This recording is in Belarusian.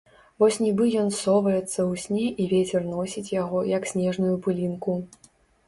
Вось нібы ён соваецца ў сне і вецер носіць яго, як снежную пылінку.